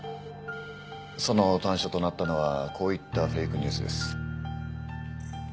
「その端緒となったのはこういったフェイクニュースです」